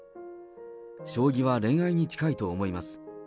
将棋は恋愛に近いと思います。